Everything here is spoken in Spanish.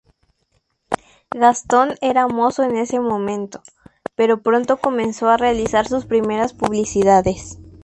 Gastón era mozo en ese momento, pero pronto comenzó a realizar sus primeras publicidades.